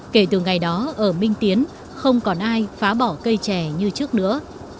kể từ ngày đó ở minh tiến không còn ai phá bỏ cây trẻ như trước nữa